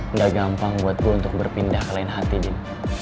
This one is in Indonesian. nggak gampang buat gue untuk berpindah ke lain hati jadi